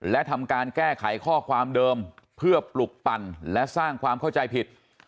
และทำการแก้ไขข้อความเดิมเพื่อปลุกปั่นและสร้างความเข้าใจผิด